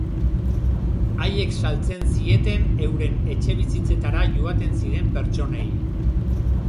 Haiek saltzen zieten euren etxebizitzetara joaten ziren pertsonei.